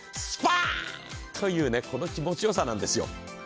スパーッ！というねこの気持ち良さなんですよ。